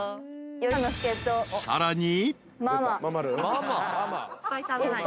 ［さらに］